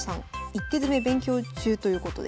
一手詰勉強中ということで。